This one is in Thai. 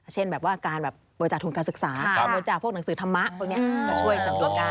เช่นแบบว่าการบริจาคทุนการศึกษาบริจาคพวกหนังสือธรรมะพวกนี้